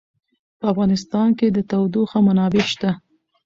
په افغانستان کې د تودوخه منابع شته.